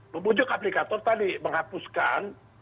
membujuk aplikator tadi menghapuskan